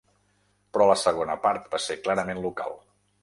Però la segona part va ser clarament local.